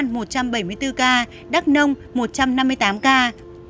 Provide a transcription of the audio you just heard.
phú thọ một trăm tám mươi tám ca đắk nông một trăm năm mươi tám ca đắk nông một trăm năm mươi tám ca